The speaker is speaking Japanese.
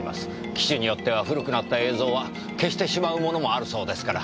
機種によっては古くなった映像は消してしまうものもあるそうですから。